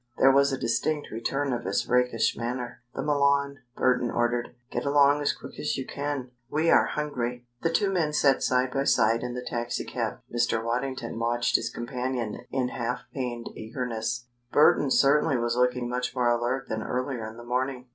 There was a distinct return of his rakish manner. "The Milan!" Burton ordered. "Get along as quick as you can. We are hungry." The two men sat side by side in the taxicab. Mr. Waddington watched his companion in half pained eagerness. Burton certainly was looking much more alert than earlier in the morning.